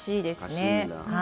難しいんだ。